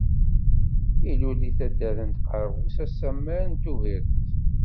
Ilul deg taddart n Tqerbust asamar n Tubiret.